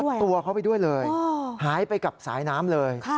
ตัวเขาไปด้วยเลยหายไปกับสายน้ำเลย